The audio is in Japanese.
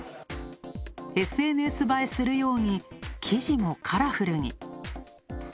ＳＮＳ映えするように生地もカラフルに。